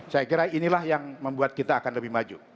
saya kira inilah yang membuat kita akan lebih maju